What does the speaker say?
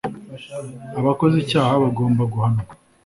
abakoze icyaha bagomba guhanwa